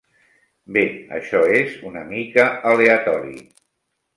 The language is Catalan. Bé, això és una mica aleatori!